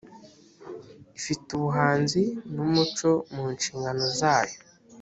ifite ubuhanzi n umuco mu nshingano zayo